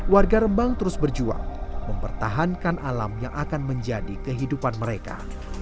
warga rembang terus berjuang mempertahankan alam yang akan menjadi kehidupan mereka